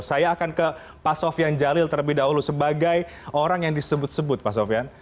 saya akan ke pak sofian jalil terlebih dahulu sebagai orang yang disebut sebut pak sofian